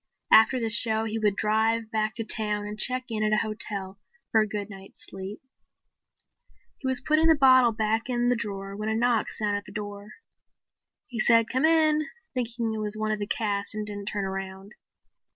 After the show he would drive back to town and check in at a hotel for a good night's sleep. He was putting the bottle back in the drawer when a knock sounded on the door. He said "Come in," thinking it was one of the cast and didn't turn around.